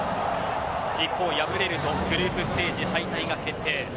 一方、敗れるとグループステージ敗退が決定。